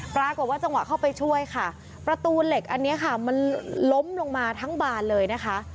ปรากฏว่าจังหวะเข้าไปช่วยค่ะประตูเหล็กอันนี้ค่ะมันล้มลงมาทั้งบานเลยนะคะ